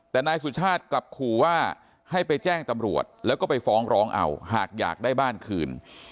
แต่นายสุชาติกลับขู่ว่าให้ไปแจ้งตำรวจแล้วก็ไปฟ้องร้องเอาหากอยากได้บ้านคืน